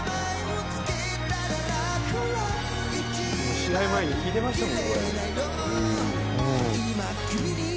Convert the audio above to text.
試合前に聴いてましたもん。